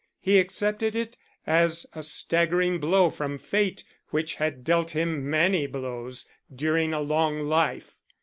He accepted it as a staggering blow from fate which had dealt him many blows during a long life.